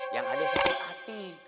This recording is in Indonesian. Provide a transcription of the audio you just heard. yang ada sakit hati